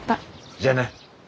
じゃあな。